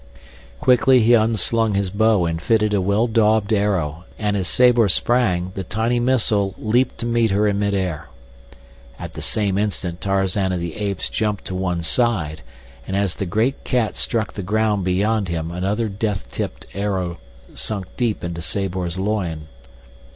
Quickly he unslung his bow and fitted a well daubed arrow, and as Sabor sprang, the tiny missile leaped to meet her in mid air. At the same instant Tarzan of the Apes jumped to one side, and as the great cat struck the ground beyond him another death tipped arrow sunk deep into Sabor's loin.